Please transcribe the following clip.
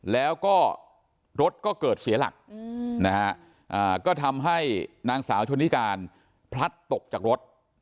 แล้วก็รถก็เกิดเสียหลักนะฮะก็ทำให้นางสาวชนนิการพลัดตกจากรถ